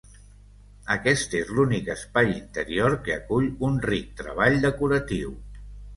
Aquest és l'únic espai interior que acull un ric treball decoratiu.